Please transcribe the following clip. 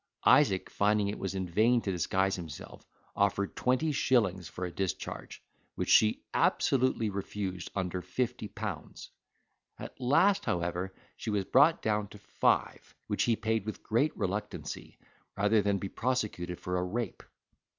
Isaac, finding it was in vain to disguise himself, offered twenty shillings for a discharge, which she absolutely refused under fifty pounds: at last, however, she was brought down to five, which he paid with great reluctancy, rather than be prosecuted for a rape.